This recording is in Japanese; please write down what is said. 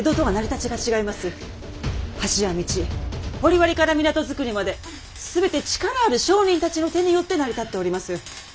橋や道掘割から港づくりまで全て力ある商人たちの手によって成り立っております。